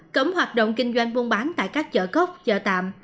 cấm hoạt động kinh doanh buôn bán tại các chợ cốc chợ tạm